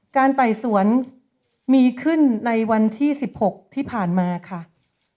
ไต่สวนมีขึ้นในวันที่๑๖ที่ผ่านมาค่ะ